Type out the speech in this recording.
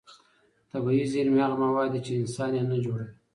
طبیعي زېرمې هغه مواد دي چې انسان یې نه جوړوي.